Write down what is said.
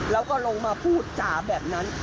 แล้วก็ลงมาพูดจ่าแบบนั้น